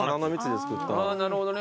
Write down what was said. なるほどね。